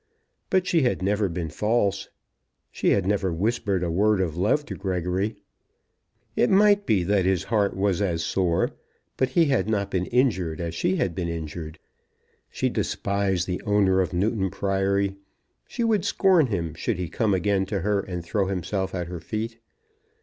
But she had never been false. She had never whispered a word of love to Gregory. It might be that his heart was as sore, but he had not been injured as she had been injured. She despised the owner of Newton Priory. She would scorn him should he come again to her and throw himself at her feet.